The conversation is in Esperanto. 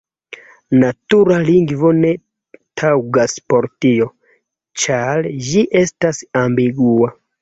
Natura lingvo ne taŭgas por tio, ĉar ĝi estas ambigua.